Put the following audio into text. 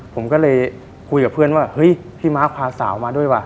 ผมก็เลยคุยกับเพื่อนว่าเฮ้ยพี่ม้าพาสาวมาด้วยว่